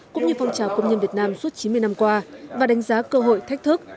cũng như phong trào công nhân việt nam suốt chín mươi năm qua và đánh giá cơ hội thách thức